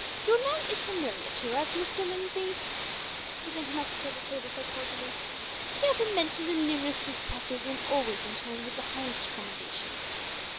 "Your name is familiar to us, Major Lindsay," the gentleman at the head of the table said cordially. "You have been mentioned in numerous despatches, and always in terms of the highest commendation.